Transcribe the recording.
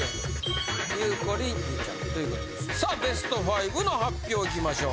さあベスト５の発表いきましょう。